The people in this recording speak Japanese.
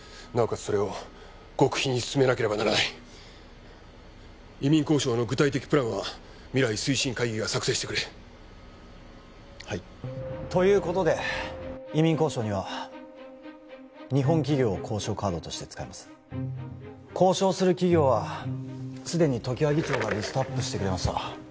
それを極秘に進めなければならない移民交渉の具体的プランは未来推進会議が作成してくれはいということで移民交渉には日本企業を交渉カードとして使います交渉する企業はすでに常盤議長がリストアップしてくれました